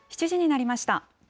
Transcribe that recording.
７時になりました。